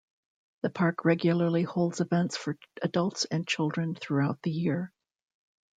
The park regularly holds events for adults and children throughout the year.